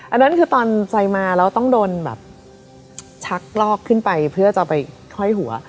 อันนั้นคือตอนไซมาแล้วต้องโดนแบบชักลอกขึ้นไปเพื่อจะไปค่อยหัว